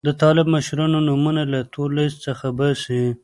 د طالب مشرانو نومونه له تور لیست څخه وباسي.